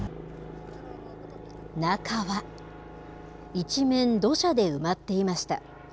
中は、一面土砂で埋まっていました。